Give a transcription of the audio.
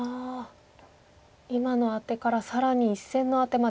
今のアテから更に１線のアテまで。